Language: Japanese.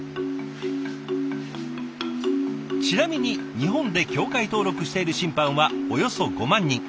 ちなみに日本で協会登録している審判はおよそ５万人。